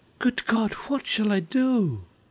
Good God, what shall I dow